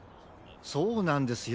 そうなんですよ。